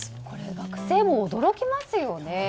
これ、学生も驚きますよね。